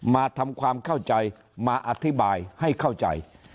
มาทำความเข้าใจมาอธิบายให้เข้าใจ